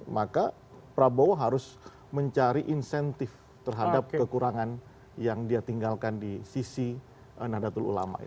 maka prabowo harus mencari insentif terhadap kekurangan yang dia tinggalkan di sisi nahdlatul ulama